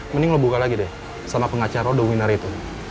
mending lo buka lagi deh sama pengacara udah wungin hari itu